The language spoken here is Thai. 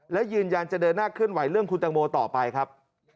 และยืนยันจะเดินหน้าเคลื่อนไหวเรื่องคุณตังโมต่อไปครับ